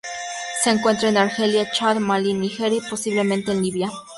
Se encuentra en Argelia, Chad, Malí, Nigeria y posiblemente en Libia.